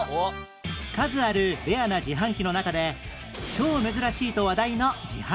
数あるレアな自販機の中で超珍しいと話題の自販機が！